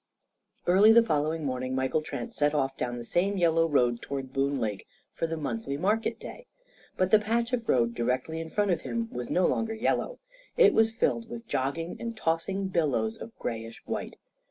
Early the following morning Michael Trent set off down the same yellow road toward Boone Lake for the monthly market day. But the patch of road directly in front of him was no longer yellow. It was filled with jogging and tossing billows of greyish white.